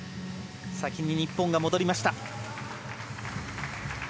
先に日本が戻りました。